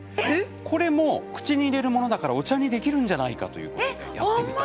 これも、口に入れるものだからお茶にできるんじゃないかということで。